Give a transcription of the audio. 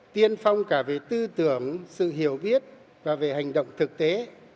tiên phong cả về tư tưởng sự hiểu biết và về hành động thực tế